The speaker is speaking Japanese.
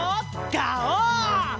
ガオー！